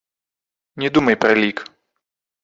Не думай пра лік.